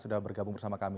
sudah bergabung bersama kami